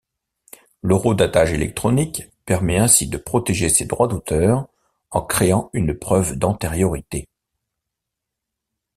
L'horodatage électronique permet ainsi de protéger ses droits d'auteur en créant une preuve d'antériorité.